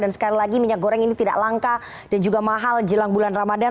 dan sekali lagi minyak goreng ini tidak langka dan juga mahal jelang bulan ramadhan